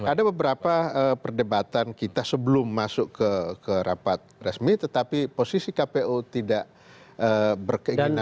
ada beberapa perdebatan kita sebelum masuk ke rapat resmi tetapi posisi kpu tidak berkeinginan